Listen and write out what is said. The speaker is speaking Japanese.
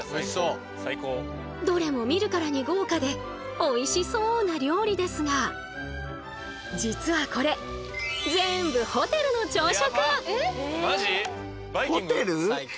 どれも見るからに豪華でおいしそうな料理ですが実はこれ全部そう！